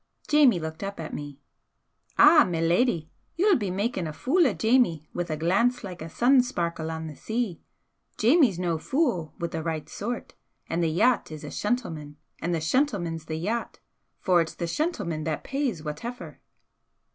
Jamie looked up at me. "Ah, my leddy, ye'll pe makin' a fule o' Jamie wi' a glance like a sun sparkle on the sea! Jamie's no fule wi' the right sort, an' the yacht is a shentleman, an' the shentleman's the yacht, for it's the shentleman that pays whateffer."